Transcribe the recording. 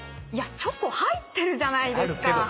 チョコ入ってるじゃないですか。